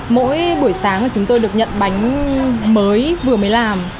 mỗi buổi sáng là chúng tôi được nhận bánh mới vừa mới làm